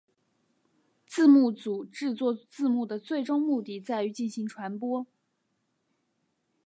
字幕组制作字幕的最终目的在于进行传播。